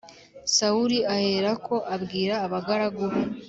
sawuli aherako abwira abagaragu be